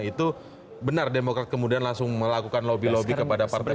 itu benar demokrat kemudian langsung melakukan lobby lobby kepada partai